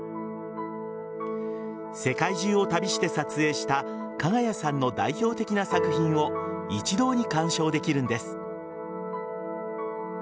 世界中を旅して撮影したＫＡＧＡＹＡさんの代表的な作品を一堂に鑑賞できるんです。